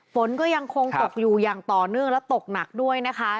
ฝนก็ยังคงตกอยู่อย่างต่อเนื่องและตกหนักด้วยนะคะ